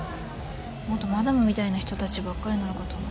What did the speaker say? もっとマダムみたいな人たちばっかりなのかと思ってた。